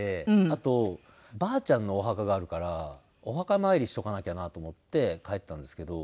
あとばあちゃんのお墓があるからお墓参りしておかなきゃなと思って帰ったんですけど。